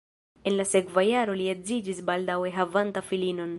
En la sekva jaro li edziĝis baldaŭe havanta filinon.